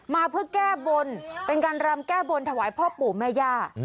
มาเพื่อแก้บนเป็นการรำแก้บนถวายพ่อปู่แม่ย่า